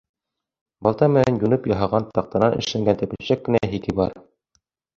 Балта менән юнып яһаған таҡтанан эшләнгән тәпәшәк кенә һике бар.